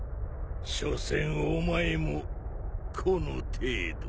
しょせんお前もこの程度。